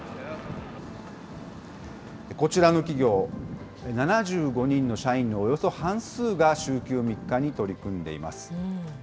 こちらの企業、７５人の社員のおよそ半数が週休３日に取り組んでいます。